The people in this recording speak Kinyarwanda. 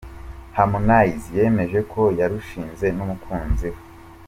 Harmonize yemeje ko yarushinze n'umukunzi we.